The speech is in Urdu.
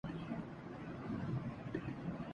لیڈی گاگا کنسرٹ کے دوران مداح کے ساتھ اسٹیج سے گر پڑیں